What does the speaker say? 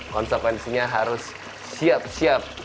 konsekuensinya harus siap siap